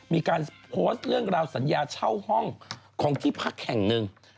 มีการโพสต์เรื่องราวสัญญาเช่าห้องของที่พักแห่งหนึ่ง